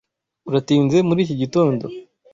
Uratinze muri iki gitondo.